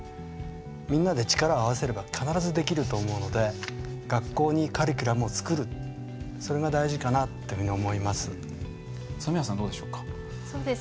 みんなで力を合わせれば必ずできると思うので学校にカリキュラムを作ることが大事かなと思います。